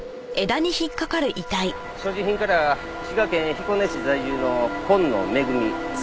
所持品から滋賀県彦根市在住の今野恵３５歳です。